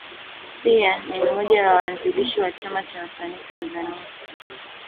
Pia ni mmoja ya waanzilishi wa Chama cha Wasanii Tanzania.